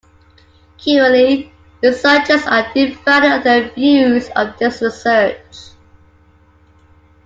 Currently, researchers are divided on their views of this research.